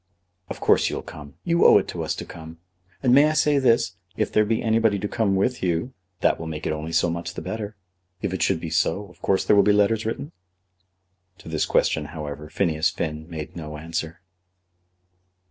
"Of course you'll come. You owe it to us to come. And may I say this? If there be anybody to come with you, that will make it only so much the better. If it should be so, of course there will be letters written?" To this question, however, Phineas Finn made no answer.